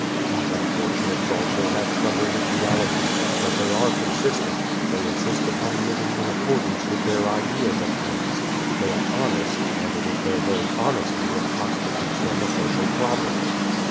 These unfortunates also have trouble with reality, but they are consistent; they insist upon living in accordance with their ideas of things. They are honest, and it is their very honesty that constitutes them a social problem.